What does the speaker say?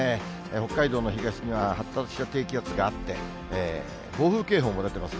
北海道の東には発達した低気圧があって、暴風警報も出てます。